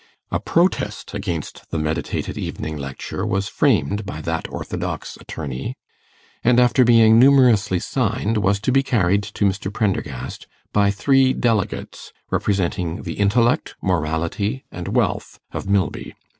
A protest against the meditated evening lecture was framed by that orthodox attorney, and, after being numerously signed, was to be carried to Mr. Prendergast by three delegates representing the intellect, morality, and wealth of Milby.